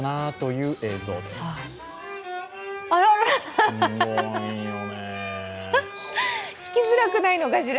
うまいよね弾きづらくないのかしら。